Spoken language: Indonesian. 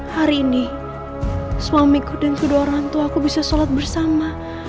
hari ini suamiku dan kedua orang tua aku bisa sholat bersama